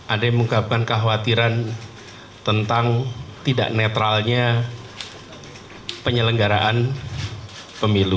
ada yang mengungkapkan kekhawatiran tentang tidak netralnya penyelenggaraan pemilu